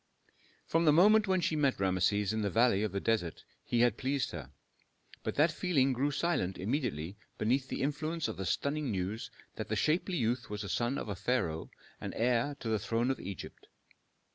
From the moment when she met Rameses in the valley of the desert he had pleased her, but that feeling grew silent immediately beneath the influence of the stunning news that the shapely youth was a son of the pharaoh and heir to the throne of Egypt.